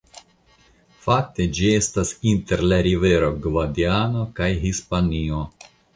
Fakte ĝi estas inter la rivero Gvadiano kaj Hispanio.